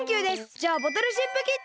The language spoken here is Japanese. じゃあボトルシップキッチンへ！